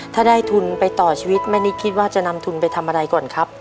ถ้าได้ทุนไปต่อชีวิตแม่นิดคิดว่าจะนำทุนไปทำอะไรก่อนครับ